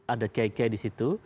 ada kk di situ